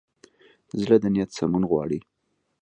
زړه د نیت سمون غواړي.